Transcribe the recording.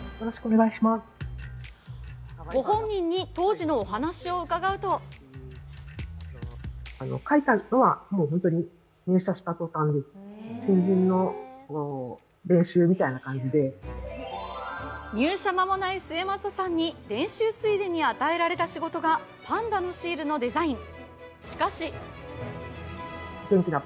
ご本人に当時のお話を伺うと入社間もない末政さんに練習ついでに与えられた仕事がパンダのシールのデザイン。